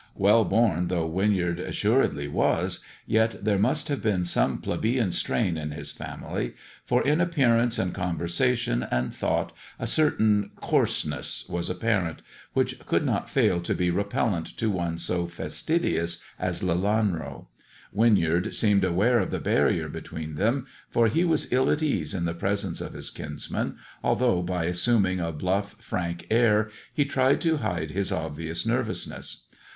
"Well born though Winyard assuredly was, yet there must have been some plebeian strain in his family, for in appearance and conversation and thought a certain coarseness was apparent, which could not fail to be repel lent to one so fastidious as Lelanro. Winyard seemed aware of the barrier between them, for he was ill at ease in the presence of his kinsman, although, by assuming a bluff, frank air, he tried to hide his obvious nervousness.